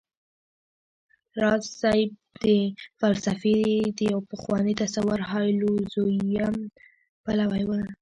راز صيب د فلسفې د يو پخواني تصور هايلو زوييزم پلوی و